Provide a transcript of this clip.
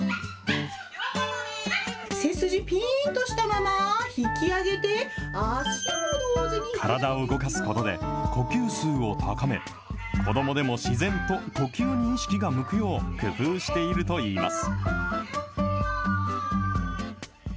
背筋ぴーんとしたまま、体を動かすことで、呼吸数を高め、子どもでも自然と呼吸に意識が向くよう工夫しているといいます。